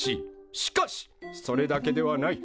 しかしそれだけではない。